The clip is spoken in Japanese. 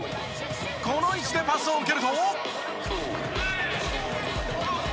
この位置でパスを受けると。